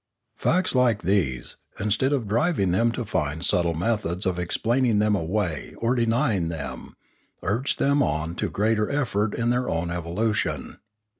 Facts like these, instead of driving them to find subtle methods of explaining them away or denying them, urged them on to greater effort in their own evolution.